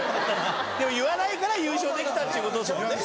でも言わないから優勝できたってことですもんね。